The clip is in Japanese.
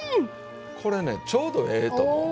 これねちょうどええと思います。